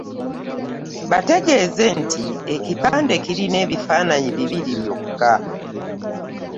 Bategeeze nti ekipande kirina ebifaananyi bibiri byokka.